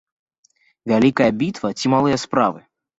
Вялікая бітва ці малыя справы?